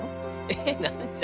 えっ何じゃ？